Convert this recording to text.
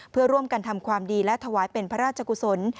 เพื่อร่วมกันทำความดีและถวายเป็นพระราชกุศล